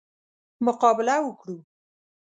مقابله وکړو.